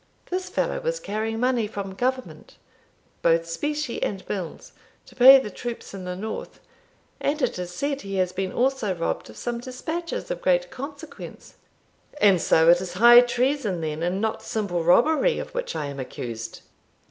This fellow was carrying money from Government, both specie and bills, to pay the troops in the north; and it is said he has been also robbed of some despatches of great consequence." "And so it is high treason, then, and not simple robbery, of which I am accused!"